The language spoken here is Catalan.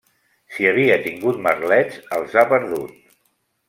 Si havia tingut merlets, els ha perdut.